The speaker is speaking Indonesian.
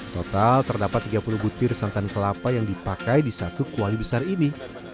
total terdapat tiga puluh butir santan kelapa yang dipakai di satu kuali besar ini